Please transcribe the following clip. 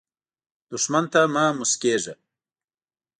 دښمن ته مه مسکېږه